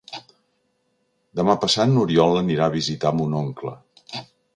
Demà passat n'Oriol anirà a visitar mon oncle.